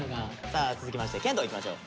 さあ続きまして謙杜いきましょう。